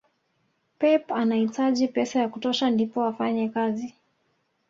pep amahitaji pesa ya kutosha ndipo afanye kazi